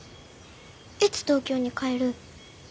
いつ東京に帰る？